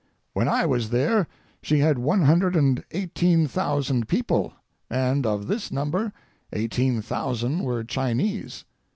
When I was there she had one hundred and eighteen thousand people, and of this number eighteen thousand were Chinese.